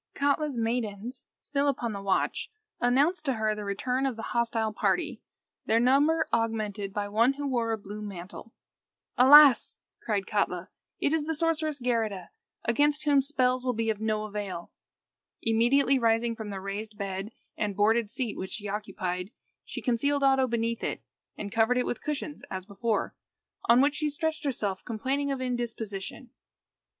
Katla's maidens, still upon the watch, announced to her the return of the hostile party, their number augmented by one who wore a blue mantle. "Alas!" cried Katla, "it is the sorceress Geirrida, against whom spells will be of no avail." Immediately rising from the raised and boarded seat which she occupied, she concealed Oddo beneath it, and covered it with cushions as before, on which she stretched herself complaining of indisposition.